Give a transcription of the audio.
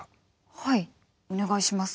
はいお願いします。